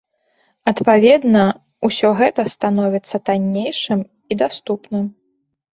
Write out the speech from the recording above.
Адпаведна, усё гэта становіцца таннейшым і даступным.